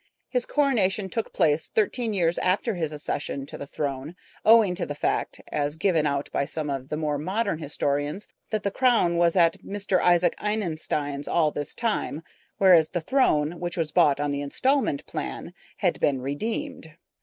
His coronation took place thirteen years after his accession to the throne, owing to the fact, as given out by some of the more modern historians, that the crown was at Mr. Isaac Inestein's all this time, whereas the throne, which was bought on the instalment plan, had been redeemed.